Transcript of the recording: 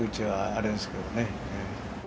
あれですけどね。